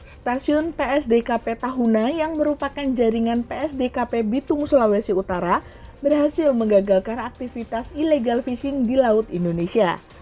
stasiun psdkp tahuna yang merupakan jaringan psdkp bitung sulawesi utara berhasil menggagalkan aktivitas illegal fishing di laut indonesia